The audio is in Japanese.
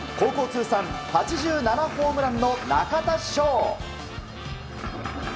通算８７ホームランの中田翔。